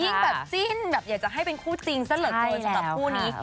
แบบจิ้นแบบอยากจะให้เป็นคู่จริงซะเหลือเกินสำหรับคู่นี้